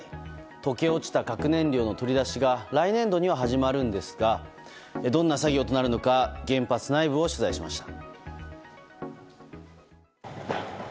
溶け落ちた核燃料の取り出しが来年度には始まるんですがどんな作業となるのか原発内部を取材しました。